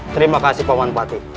terima kasih pak wanpati